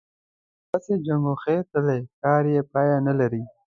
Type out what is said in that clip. احمد هسې چنګوښې تلي؛ کار يې پايله نه لري.